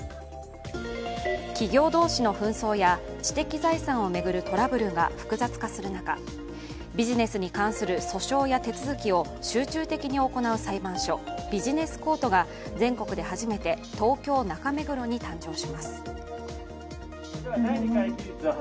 企業同士の紛争や知的財産を巡るトラブルが複雑化する中、ビジネスに関する訴訟や手続きを集中的に行う裁判所、ビジネス・コートが全国で初めて東京・中目黒に誕生します。